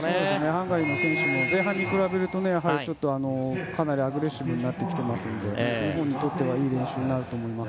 ハンガリーの選手も前半と比べるとかなりアグレッシブになってきていますので日本にとってはいい練習になると思います。